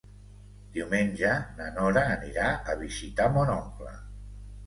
Diumenge na Nora anirà a visitar mon oncle.